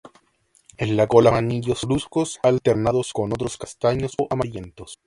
En la cola forma anillos negruzcos alternados con otros castaños o amarillentos.